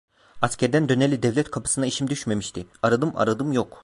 Askerden döneli devlet kapısına işim düşmemişti; aradım aradım yok…